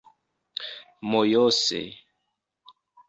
mojose